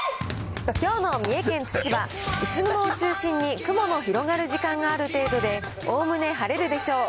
きょうの三重県津市は、薄雲を中心に、雲の広がる時間がある程度で、おおむね晴れるでしょう。